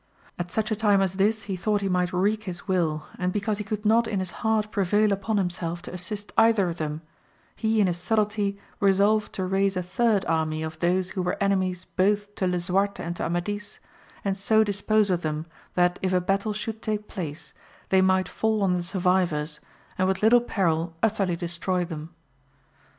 At such a time as this he thought he might wreak his will, and because he could not in his heart prevail upon himself to assist either of them, he in his subtlety resolved to raise a third army of those who were enemies both to Lisuarte and to Amadis, and so dispose of them that if a battle should take place, they might fall on the survivors, and with little peril utterly destroy them.